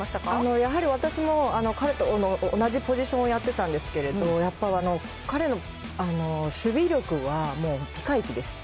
やはり私も彼と同じポジションをやってたんですけれど、やっぱり、彼の守備力はもうピカイチです。